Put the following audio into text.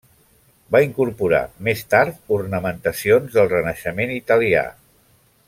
Va incorporar, més tard, ornamentacions del Renaixement italià.